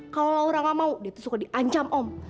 kalo laura ga mau dia tuh suka di ancam om